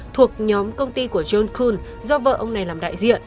thuộc nhóm công ty của john kul do vợ ông này làm đại diện